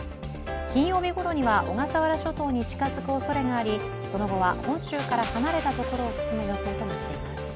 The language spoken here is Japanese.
金曜日ごろには小笠原諸島に近づくおそれがありその後は、本州から離れたところを進む予想となっています。